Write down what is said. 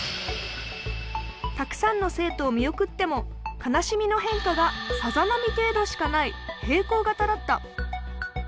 たくさんの生徒を見送っても悲しみの変化がさざなみ程度しかない平行型だった。